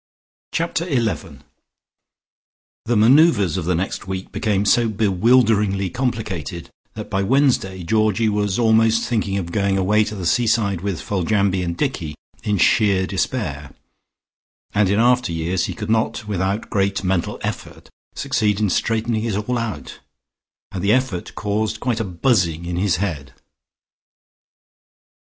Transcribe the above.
Chapter ELEVEN The manoeuvres of the next week became so bewilderingly complicated that by Wednesday Georgie was almost thinking of going away to the seaside with Foljambe and Dicky in sheer despair, and in after years he could not without great mental effort succeed in straightening it all out, and the effort caused quite a buzzing in his head....